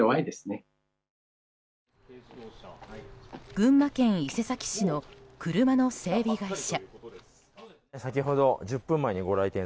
群馬県伊勢崎市の車の整備会社。